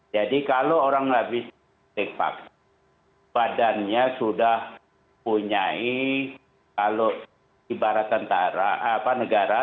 jadi kalau orang lebih lebih pakai badannya sudah punya kalau ibarat negara